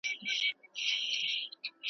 څومره مي یادیږې کرار نه لرم